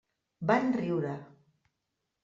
Van riure.